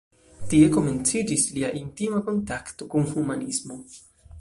Tie komenciĝis lia intima kontakto kun humanismo.